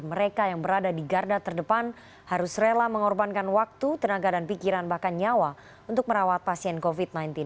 mereka yang berada di garda terdepan harus rela mengorbankan waktu tenaga dan pikiran bahkan nyawa untuk merawat pasien covid sembilan belas